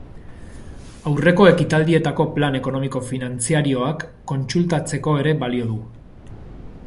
Aurreko ekitaldietako plan ekonomiko-finantzarioak kontsultatzeko ere balio du.